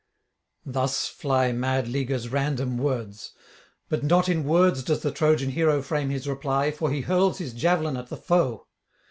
Thus fly mad Liger's random words. But not in words does the Trojan hero frame his reply: for he hurls his javelin at the foe.